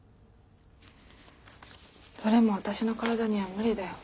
どれも私の体には無理だよ。